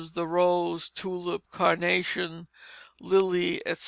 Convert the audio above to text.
the Rose, Tulip, Carnation, Lilly, etc."